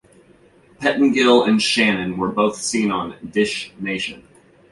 Pettengill and Shannon were seen on Dish Nation.